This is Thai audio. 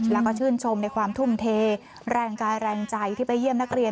แล้วก็ชื่นชมในความทุ่มเทแรงกายแรงใจที่ไปเยี่ยมนักเรียน